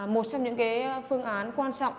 một trong những cái phương án quan trọng